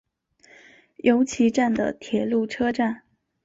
由岐站的铁路车站。